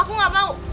aku gak mau